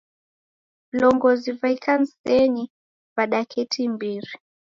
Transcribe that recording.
Vilongozi va ikanisenyi vadaketi imbiri